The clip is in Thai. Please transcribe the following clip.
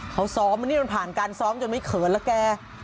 เขาซ้อมอันนี้มันผ่านการซ้อมจนไม่เขินแล้วแก